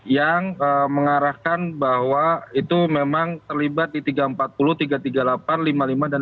yang mengarahkan bahwa itu memang terlibat di tiga ratus empat puluh tiga ratus tiga puluh delapan lima puluh lima dan tiga puluh